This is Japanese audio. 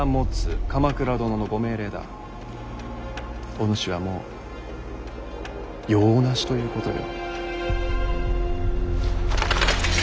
おぬしはもう用なしということよ。